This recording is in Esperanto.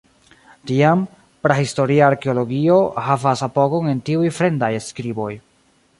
Tiam, prahistoria arkeologio havas apogon en tiuj fremdaj skriboj.